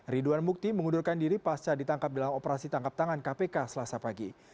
ridwan mukti mengundurkan diri pasca ditangkap dalam operasi tangkap tangan kpk selasa pagi